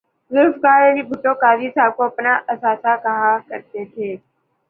ذوالفقار علی بھٹو قاضی صاحب کو اپنا اثاثہ کہا کر تے تھے